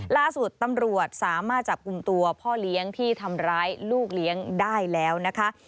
ล่าสุดตำรวจสามารถจับกลุ่มตัวพ่อเลี้ยงที่ทำร้ายลูกเลี้ยงได้แล้วนะคะ